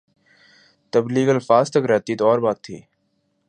تبلیغ الفاظ تک رہتی تو اور بات تھی۔